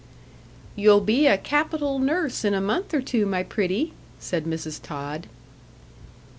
"You'll be a capital nurse in a month or two, my pretty!" said Mrs. Tod.